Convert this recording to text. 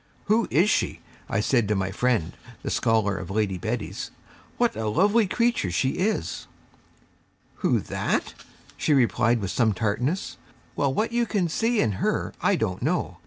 'Who is she?' I said to my friend, the scholar of Lady Betty's; 'what a lovely creature she is!' 'Who, that?' she replied with some tartness. 'Well, what you can see in her, I don't know.